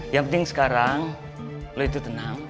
yang penting sekarang lo itu tenang